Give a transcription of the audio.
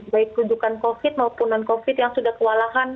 baik rujukan covid maupun non covid yang sudah kewalahan